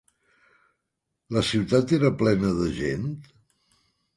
La ciutat era plena de gent?